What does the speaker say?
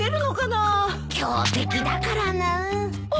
強敵だからなあ。